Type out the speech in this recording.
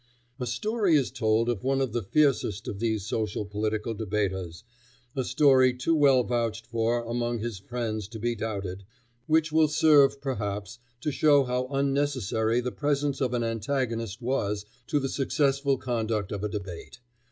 A story is told of one of the fiercest of these social political debaters a story too well vouched for among his friends to be doubted which will serve, perhaps, to show how unnecessary the presence of an antagonist was to the successful conduct of a debate.